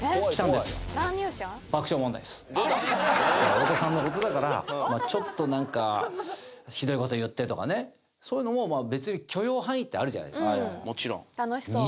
太田さんの事だからちょっとなんかひどい事言ってとかねそういうのも別に許容範囲ってあるじゃないですか。